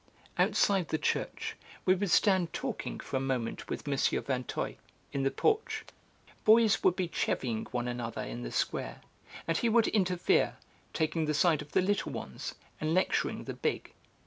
Outside the church we would stand talking for a moment with M. Vinteuil, in the porch. Boys would be chevying one another in the Square, and he would interfere, taking the side of the little ones and lecturing the big.